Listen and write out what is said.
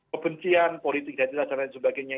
kebencian politik identitas dan lain sebagainya